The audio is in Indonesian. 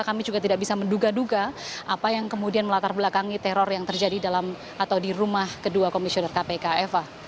kami juga tidak bisa menduga duga apa yang kemudian melatar belakangi teror yang terjadi dalam atau di rumah kedua komisioner kpk eva